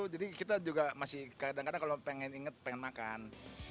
jadi kita juga masih kadang kadang kalau pengen inget pengen makan